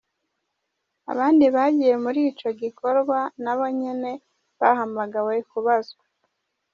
Abandi bagiye muri ico gikorwa nabo nyene bahamagawe kubazwa.